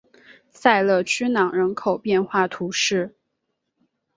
萨勒屈朗人口变化图示